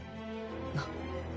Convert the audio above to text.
なっ？